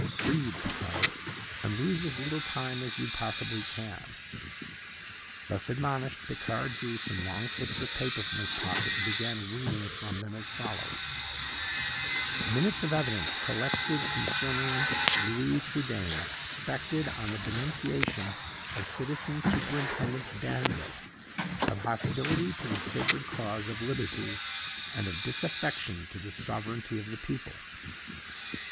Read, Picard, and lose as little time as you possibly can." Thus admonished, Picard drew some long slips of paper from his pocket, and began reading from them as follows: "Minutes of evidence collected concerning Louis Trudaine, suspected, on the denunciation of Citizen Superintendent Danville, of hostility to the sacred cause of liberty, and of disaffection to the sovereignty of the people.